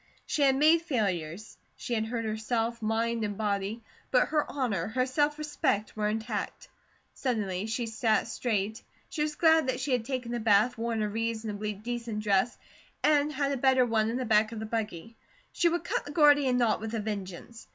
She had made failures, she had hurt herself, mind and body, but her honour, her self respect were intact. Suddenly she sat straight. She was glad that she had taken a bath, worn a reasonably decent dress, and had a better one in the back of the buggy. She would cut the Gordian knot with a vengeance.